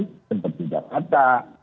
tetap tidak kata